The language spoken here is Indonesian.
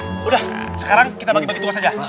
udah sekarang kita bagi bagi tuas aja